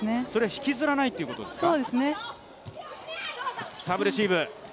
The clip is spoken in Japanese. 引きずらないということですか。